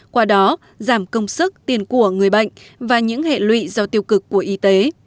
qua đó giảm công sức tiền của người bệnh và những hệ lụy do tiêu cực của y tế